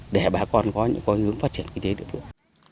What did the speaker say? để bà con có những hướng phát triển kinh tế được được